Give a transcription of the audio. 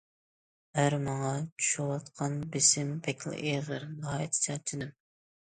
ئەر: ماڭا چۈشۈۋاتقان بېسىم بەكلا ئېغىر، ناھايىتى چارچىدىم!